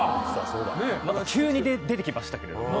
急に出てきましたけれども。